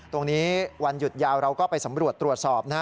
ตรงนี้วันหยุดยาวเราก็ไปสำรวจตรวจสอบ